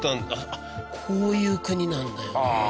「あっこういう国なんだよなあ」